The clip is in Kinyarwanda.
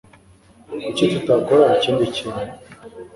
Kuki tutakora ikindi kintu?